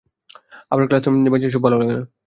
আমার classroom, bench এসব ভালো লাগে না।